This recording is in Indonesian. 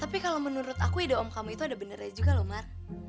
tapi kalau menurut aku ide om kamu itu ada benarnya juga loh mar